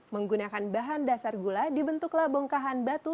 menggunakan bahan dasar gula dibentuklah bongkahan batu